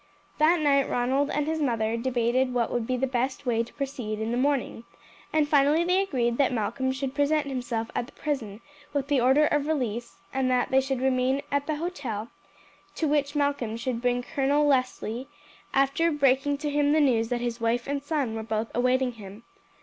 That night Ronald and his mother debated what would be the best way to proceed in the morning, and finally they agreed that Malcolm should present himself at the prison with the order of release, and that they should remain at the hotel, to which Malcolm should bring Colonel Leslie, after breaking to him the news that his wife and son were both awaiting him.